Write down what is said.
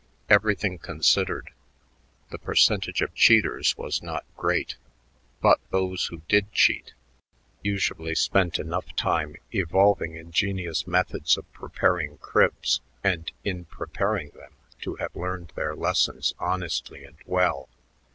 Everything considered, the percentage of cheaters was not great, but those who did cheat usually spent enough time evolving ingenious methods of preparing cribs and in preparing them to have learned their lessons honestly and well.